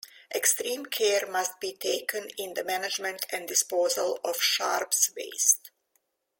Extreme care must be taken in the management and disposal of sharps waste.